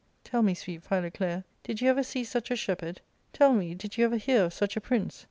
Tell me, sweet Philoclea, did you ever see such a shepherd ? Tell me, did you ever hear of such a prince ?